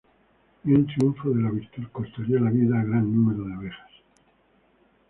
Y un triunfo de la virtud costaría la vida a gran número de abejas.